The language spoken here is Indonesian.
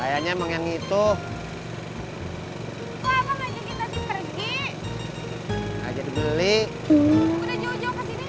emang bukan yang itu warungnya bang kayaknya emang itu